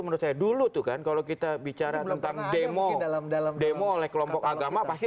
menurut saya dulu tuh kan kalau kita bicara tentang demo dalam dalam demo oleh kelompok agama pasti